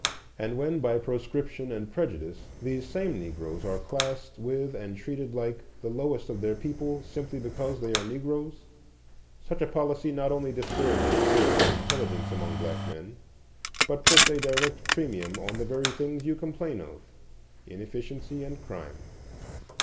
And when, by proscription and prejudice, these same Negroes are classed with and treated like the lowest of their people, simply because they are Negroes, such a policy not only discourages thrift and intelligence among black men, but puts a direct premium on the very things you complain of,—inefficiency and crime.